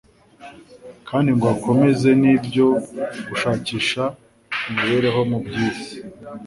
kandi ngo akomeze n'ibyo gushakisha imibereho mu by'iyi si.